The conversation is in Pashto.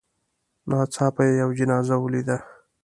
ناڅاپه یې یوه جنازه ولیده.